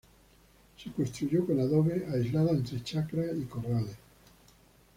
Se construyó con adobe, aislada entre chacra y corrales.